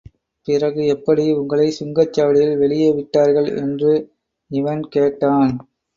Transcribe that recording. பிறகு எப்படி உங்களை சுங்கச் சாவடியில் வெளியே விட்டார்கள்? என்று இவன் கேட்டான்.